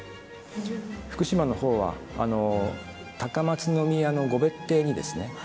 福島のほうは高松宮の御別邸にですね